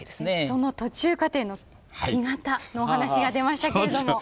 その途中経過の木型のお話が出ましたけれども。